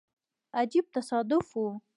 عجیب تصادف وو.